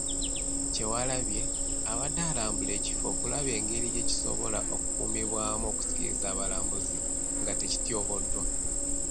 Kyewalabye, abadde alambula ekifo okulaba engeri gye kisobola okukuumibwamu okusikiriza abalambuzi nga tekityoboddwa.